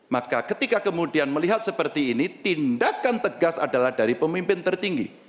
maka ketika kemudian melihat seperti ini tindakan tegas adalah dari pemimpin tertinggi